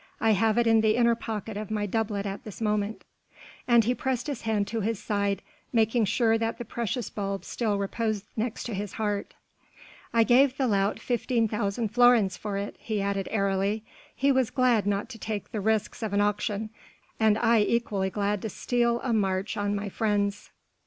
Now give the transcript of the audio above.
"I have it in the inner pocket of my doublet at this moment." And he pressed his hand to his side, making sure that the precious bulb still reposed next to his heart. "I gave the lout fifteen thousand florins for it," he added airily, "he was glad not to take the risks of an auction, and I equally glad to steal a march on my friends."